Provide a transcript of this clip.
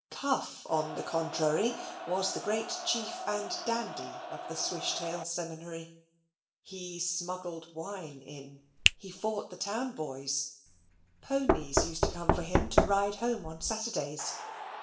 Cuff, on the contrary, was the great chief and dandy of the Swishtail Seminary. He smuggled wine in. He fought the town boys. Ponies used to come for him to ride home on Saturdays.